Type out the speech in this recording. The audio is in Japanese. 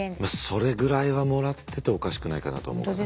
それぐらいはもらってておかしくないかなと思うなあ。